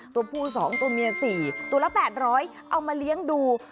ตัวผู้๒ตัวเมีย๔ตัวละ๘๐๐เอามาเลี้ยงดู